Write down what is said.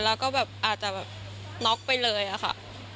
แล้วก็แบบอาจจะแบบน็อกไปเลยอะค่ะ